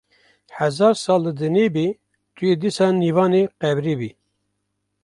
Hezar sal li dinê bî tu yê dîsa nîvanê qebrê bî